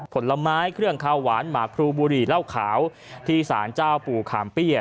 ผลไม้เครื่องข้าวหวานหมากครูบุหรี่เหล้าขาวที่สารเจ้าปู่ขามเปี้ย